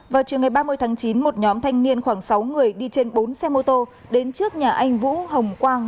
vào chiều ngày ba mươi tháng chín một nhóm thanh niên khoảng sáu người đi trên bốn xe mô tô đến trước nhà anh vũ hồng quang